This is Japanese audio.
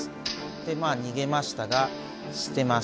で逃げましたが捨てます。